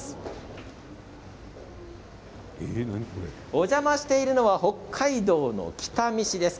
お邪魔しているのは北海道の北見市です。